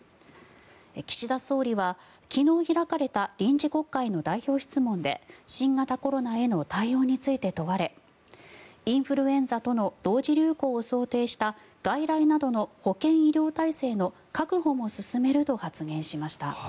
岸田総理は昨日開かれた臨時国会の代表質問で新型コロナへの対応について問われインフルエンザとの同時流行を想定した外来などの保健医療体制の確保も進めると発言しました。